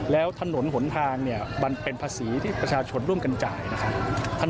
แล้วถนนหนทางเนี่ยมันเป็นภาษีที่ประชาชนร่วมกันจ่ายนะครับ